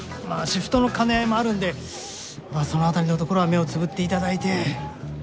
シフトの兼ね合いもあるんでまあその辺りのところは目をつぶって頂いて。